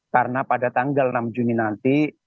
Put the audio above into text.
karena pada tanggal enam juni nanti